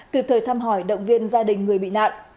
kịp thời thăm hỏi động viên gia đình người bị nạn